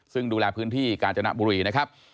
ซึ่งดูแลพื้นที่กาญจนบุรีนะครับ